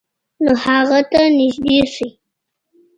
نو هغه ته نږدې شئ،